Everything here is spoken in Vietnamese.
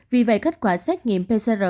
vì vậy kết quả xét nghiệm pcr